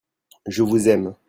Je vous aime !